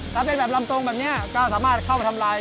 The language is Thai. ถ้าเป็นแบบลำทรงแบบนี้ก็สามารถเข้าไปทำลาย